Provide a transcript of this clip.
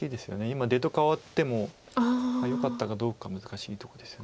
今出と換わってもよかったかどうか難しいとこです。